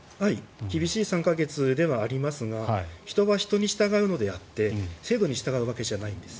厳しい３か月ではありますが人は人に従うのであって制度に従うわけじゃないんです。